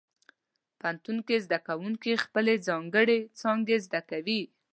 پوهنتون کې زده کوونکي خپلې ځانګړې څانګې زده کوي.